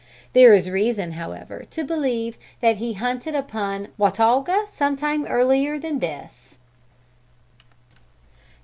There is reason however to believe that he hunted upon Watauga some time earlier than this.